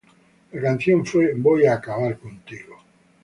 La canción fue "Voy a Acabar Contigo".